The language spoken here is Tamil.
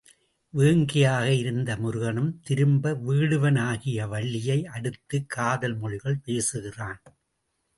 வேங்கையாக இருந்த முருகனும் திரும்ப வேடுவனாகி, வள்ளியை அடுத்து, காதல் மொழிகள் பேசுகிறான்.